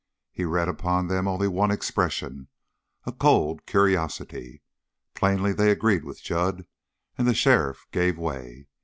He read upon them only one expression a cold curiosity. Plainly they agreed with Jud, and the sheriff gave way.